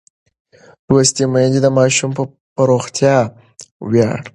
لوستې میندې د ماشوم پر روغتیا ویاړي.